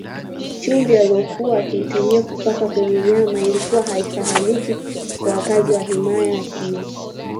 Chumvi aliyokuwa akiitumia kupaka kwenye nyama ilikuwa haifahamiki kwa wakazi wa himaya hiyo